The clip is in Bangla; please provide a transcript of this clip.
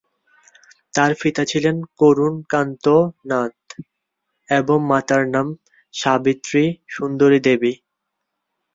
তার পিতা ছিলেন করুন কান্ত নাথ এবং মাতার নাম সাবিত্রী সুন্দরী দেবী।